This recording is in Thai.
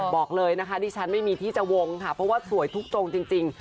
บอกเลยนะคะดิฉันไม่มีที่จะวงค่ะเพราะว่าสวยทุกตรงจริง